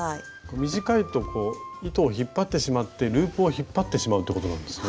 短いと糸を引っ張ってしまってループを引っ張ってしまうってことなんですね。